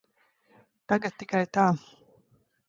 Tagad tikai tā.